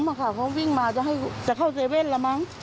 เขาล้มค่ะเขาวิ่งมาจะเข้าเจเว่นแหละมั้ง